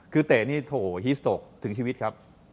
คือเตะนี่โอ้โหฮีสตกถึงชีวิตครับ